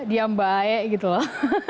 diam bae gitu loh